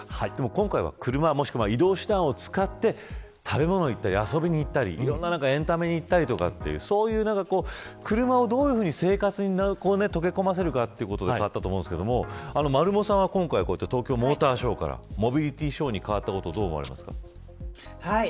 今回は、移動手段を使って食べたり、遊びに行ったりエンタメに行ったりとか車をどういうふうに生活に溶け込ませるかということがあったと思うんですけどまるもさんは今回東京モーターショーからモビリティショーに変わったことどう思われますか。